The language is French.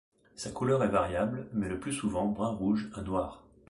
Sa couleur est variable, mais le plus souvent brun-rouge à noire.